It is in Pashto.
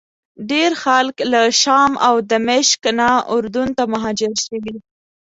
ډېر خلک له شام او دمشق نه اردن ته مهاجر شوي.